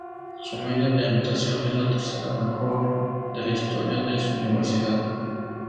Su media de anotación es la tercera mejor de la historia de su universidad.